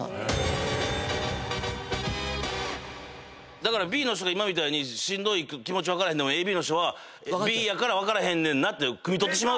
だからＢの人がしんどい気持ち分かれへんでもＡＢの人はＢやから分かれへんねんなってくみ取ってしまう⁉